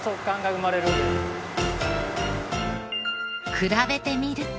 比べてみると。